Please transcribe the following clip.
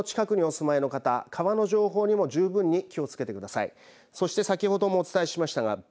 川の近くにお住まいの方川の情報にも十分に気をつけてください。